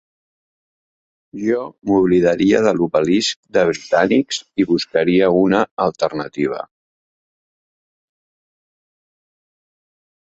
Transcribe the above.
Jo m'oblidaria de l'obelisc dels britànics i buscaria una alternativa.